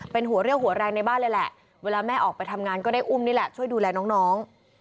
เป็นหัวเรี่ยวหัวแรงในบ้านเลยแหละเวลาแม่ออกไปทำงานก็ได้อุ้มนี่แหละช่วยดูแลน้อง